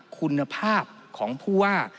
คุณภาพของผู้ว่า